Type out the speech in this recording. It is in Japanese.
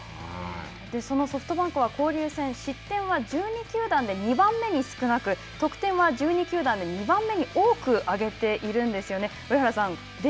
そのソフトバンクは交流戦失点は１２球団で２番目に少なく得点は１２球団で２番目に多く挙げているんですよね。